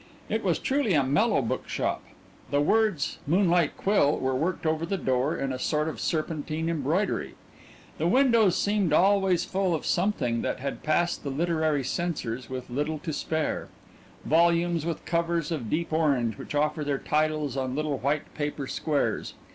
It was truly a mellow bookshop. The words "Moonlight Quill" were worked over the door in a sort of serpentine embroidery. The windows seemed always full of something that had passed the literary censors with little to spare; volumes with covers of deep orange which offer their titles on little white paper squares.